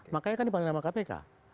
makanya kan dipandangin oleh kpk